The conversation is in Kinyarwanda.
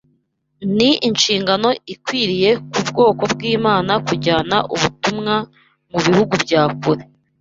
Ni inshingano ikwiriye ku bwoko bw’Imana kujyana ubutumwa mu bihugu bya kure